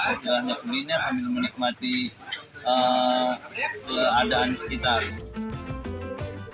jalan jalan kuliner kami menikmati keadaan sekitar